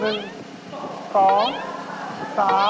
โอ้โธ่สองตัว